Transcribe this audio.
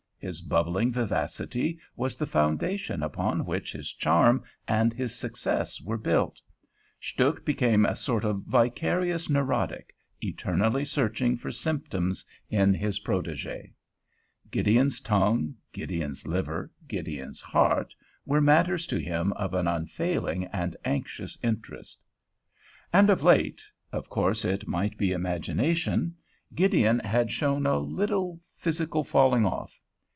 His bubbling vivacity was the foundation upon which his charm and his success were built. Stuhk became a sort of vicarious neurotic, eternally searching for symptoms in his protégé; Gideon's tongue, Gideon's liver, Gideon's heart were matters to him of an unfailing and anxious interest. And of late—of course it might be imagination —Gideon had shown a little physical falling off.